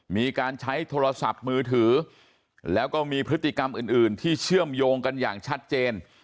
มีการใช้โทรศัพท์มือถือแล้วก็มีพฤติกรรมอื่นที่เชื่อมโยงกันอย่างชัดเจน